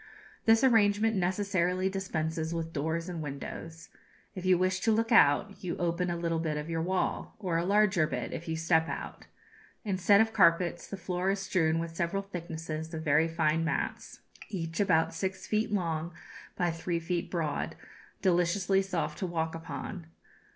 This arrangement necessarily dispenses with doors and windows. If you wish to look out, you open a little bit of your wall, or a larger bit if you step out. Instead of carpets, the floor is strewn with several thicknesses of very fine mats, each about six feet long by three feet broad, "deliciously soft to walk upon."